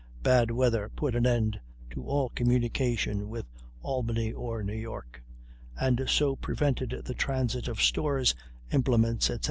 Bad weather put an end to all communication with Albany or New York, and so prevented the transit of stores, implements, etc.